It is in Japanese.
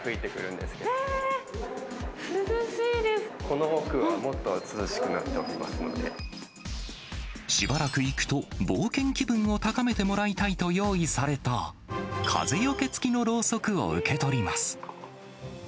この奥はもっと涼しくなってしばらく行くと、冒険気分を高めてもらいたいと用意された、風よけ付きのろうそくを受け取ります。